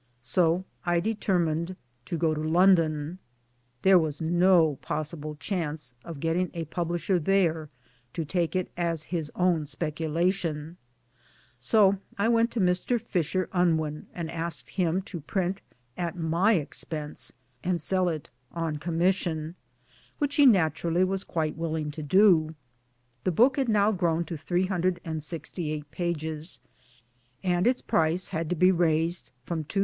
So I deter mined to go to London. There was no possible chance of getting a publisher there to take it as his own speculation ; so I went to Mr. Fisher Unwin and asked him to print at my expense and sell it on commission which he naturally was quite willing to do 1 The book had now grown to 368 pp., and its price had to be raised from 2s.